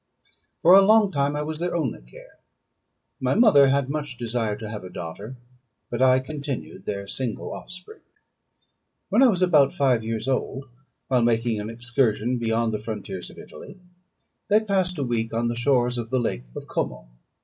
For a long time I was their only care. My mother had much desired to have a daughter, but I continued their single offspring. When I was about five years old, while making an excursion beyond the frontiers of Italy, they passed a week on the shores of the Lake of Como.